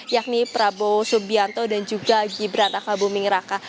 yakni prabowo subianto dan juga gibran raka buming raka